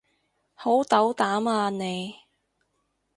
好斗膽啊你